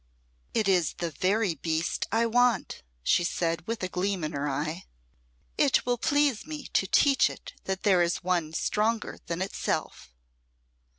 "It is the very beast I want," she said, with a gleam in her eye. "It will please me to teach it that there is one stronger than itself."